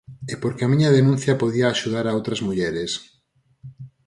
E porque a miña denuncia podía axudar a outras mulleres.